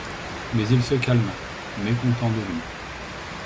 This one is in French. Mais il se calma, mécontent de lui.